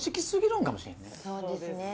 そうですね。